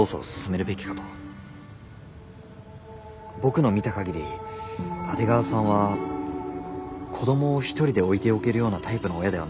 僕の見た限り阿出川さんは子供を一人で置いておけるようなタイプの親ではないと思うんです。